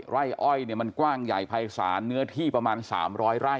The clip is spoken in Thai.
ไร่อ้อยเนี่ยมันกว้างใหญ่ภายศาลเนื้อที่ประมาณ๓๐๐ไร่